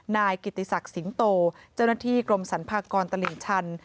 นายกิติศักดิ์สิงโตเจ้าหน้าที่กรมสรรพากรตลิ่งชัน